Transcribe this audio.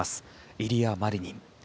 イリア・マリニン。